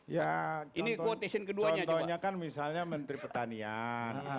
ya contohnya kan misalnya menteri petanian